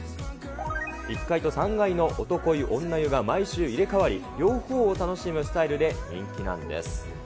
１階と３階の男湯、女湯が毎週入れ替わり、両方を楽しむスタイルで人気なんです。